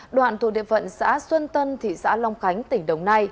đoạn thuộc địa phận xã xuân tân thị xã long khánh tỉnh đồng nai